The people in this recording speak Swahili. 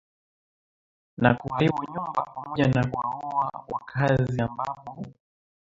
na kuharibu nyumba pamoja na kuwaua wakaazi ambapo